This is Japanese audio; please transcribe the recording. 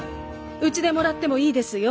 うちでもらってもいいですよ。